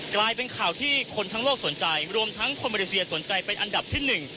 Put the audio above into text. กลายเป็นข่าวที่คนทั้งโลกสนใจรวมทั้งคนมาเลเซียสนใจเป็นอันดับที่หนึ่ง